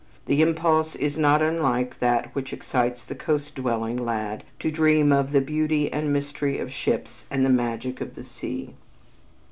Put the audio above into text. The impulse is not unlike that which excites the coast dwelling lad to dream of "The beauty and mystery of the ships And the magic of the sea."